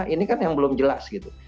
ini kan yang belum jelas gitu